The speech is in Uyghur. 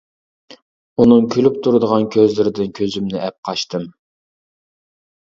ئۇنىڭ كۈلۈپ تۇرىدىغان كۆزلىرىدىن كۆزۈمنى ئەپ قاچتىم.